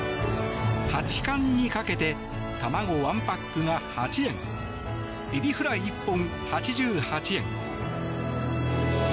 八冠にかけて、卵１パックが８円エビフライ１本、８８円。